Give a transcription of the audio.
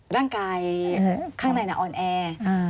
ร่างใกล้ข้างในน่ะออนแอ